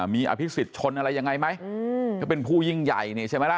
มีอภิษฎชนอะไรยังไงไหมถ้าเป็นผู้ยิ่งใหญ่เนี่ยใช่ไหมล่ะ